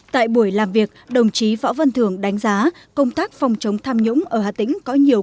tại buổi làm việc đồng chí võ văn thường đánh giá công tác phòng chống tham nhũng ở hà tĩnh có nhiều